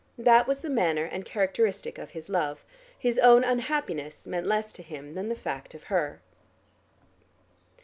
That was the manner and characteristic of his love: his own unhappiness meant less to him than the fact of her.